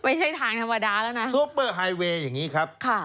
ไม่ใช่ทางธรรมดาแล้วนะซูเปอร์ไฮเวย์อย่างนี้ครับค่ะ